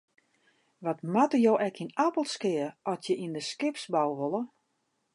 Wat moatte je ek yn Appelskea at je yn de skipsbou wolle?